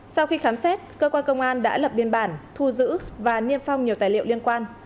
sau khi khám xét cơ quan công an đã lập biên bản thu giữ và niêm phong nhiều tài liệu liên quan